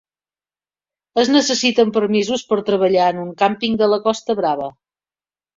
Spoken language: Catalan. Es necessiten permisos per treballar en un càmping de la Costa Brava.